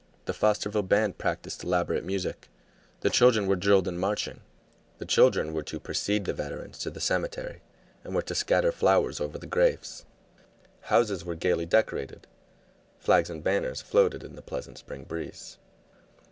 The Fosterville Band practiced elaborate music, the children were drilled in marching. The children were to precede the veterans to the cemetery and were to scatter flowers over the graves. Houses were gayly decorated, flags and banners floated in the pleasant spring breeze.